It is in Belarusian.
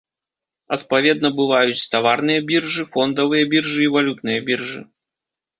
Адпаведна бываюць таварныя біржы, фондавыя біржы і валютныя біржы.